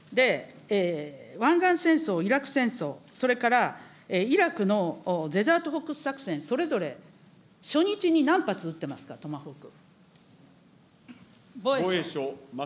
湾岸戦争、イラク戦争、それからイラクのデザートフォックス作戦それぞれ初日に何発撃ってますか、トマホーク。